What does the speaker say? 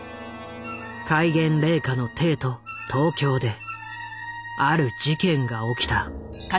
戒厳令下の帝都東京である事件が起きた。